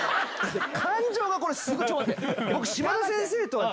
感情がこれちょっと待って。